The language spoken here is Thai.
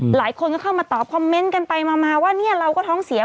หลายคนก็เข้ามาตอบคอมเมนต์กันไปมาว่าเนี่ยเราก็ท้องเสีย